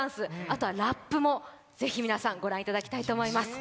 あとはラップもぜひ皆さんご覧いただきたいと思います。